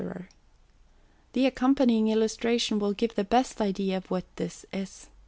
The accompanying illustration will give the best idea of what this is.